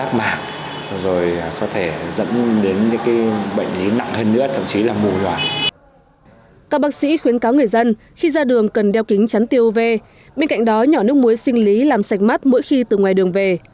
các bác sĩ khuyến cáo người dân khi ra đường cần đeo kính chắn tiêu uv bên cạnh đó nhỏ nước muối sinh lý làm sạch mắt mỗi khi từ ngoài đường về